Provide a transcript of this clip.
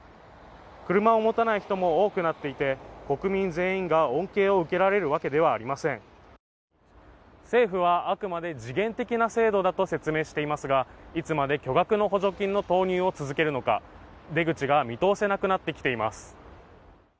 車を持たない人も多くなっていて国民全員が恩恵を受けられるわけではありません政府はあくまで時限的な制度だと説明していますがいつまで巨額の補助金の投入を続けるのか出口が見通せなくなってきています